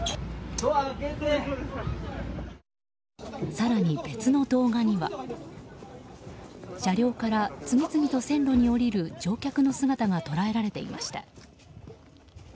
更に、別の動画には。車両から次々と線路に下りる乗客の姿が捉えられていました。